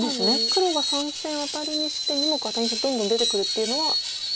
黒が３線アタリにして２目アタリにしてどんどん出てくるっていうのはできないんですか。